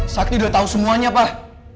sakti sudah tahu semuanya pak